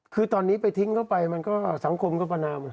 คือตอนนี้ไปทิ้งเข้าไปมันก็สังคมก็ประนาม